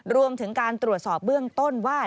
รวมถึงการตรวจสอบเบื้องต้นว่า